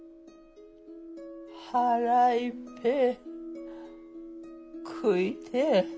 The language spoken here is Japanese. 腹いっぺえ食いてえ。